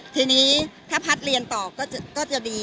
ทีนี้ถ้าพัฒน์เรียนต่อก็จะดี